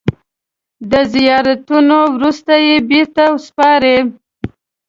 د زیارتونو وروسته یې بېرته سپاري.